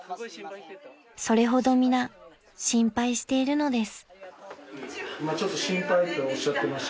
［それほど皆心配しているのです］